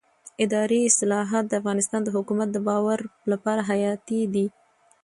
اداري اصلاحات د افغانستان د حکومت د باور لپاره حیاتي دي